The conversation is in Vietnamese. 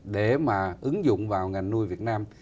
để mà ứng dụng vào ngành nuôi việt nam